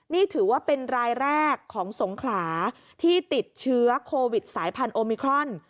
นี่ถือว่าเป็นรายแรกของสงขลาที่ติดเชื้อโควิดสายพันธุมิครอน